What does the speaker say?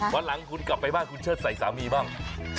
วันหลังคุณกลับไปบ้านคุณเชิดใส่สามีบ้าง